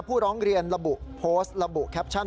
ผู้ร้องเรียนระบุโพสต์ระบุแคปชั่น